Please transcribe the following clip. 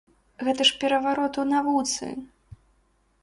Гэта ж пераварот у навуцы!